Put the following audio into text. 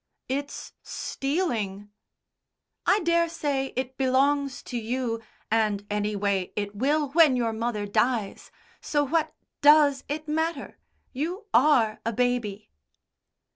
"It's stealing." "I dare say it belongs to you, and, anyway, it will when your mother dies, so what does it matter? You are a baby!"